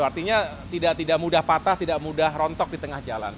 artinya tidak mudah patah tidak mudah rontok di tengah jalan